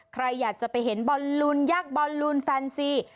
ใครอยากจะไปเห็นบอลลูนยักษ์บอลลูนแฟนซี